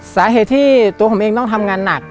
สาเหตุที่ตัวผมเองต้องทำงานหนัก